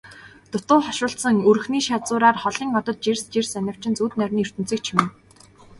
Дутуу хошуулдсан өрхний шазуураар холын одод жирс жирс анивчин зүүд нойрны ертөнцийг чимнэ.